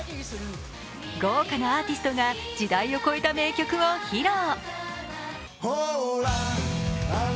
豪華なアーティストが時代を超えた名曲を披露。